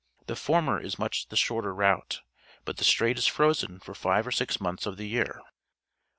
The former is much the shorter route, but theStrait is frozen for five or six months of the year.